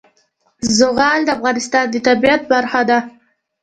زغال د افغانستان د طبیعت برخه ده.